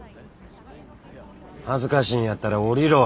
恥ずかしいんやったら降りろ。